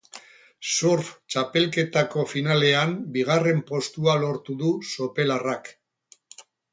Surf txapelketako finalean bigarren postua lortu du sopelarrak.